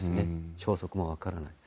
消息も分からない。